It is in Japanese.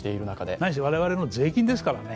なにせ、我々の税金ですからね。